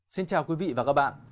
xin chào quý vị và các bạn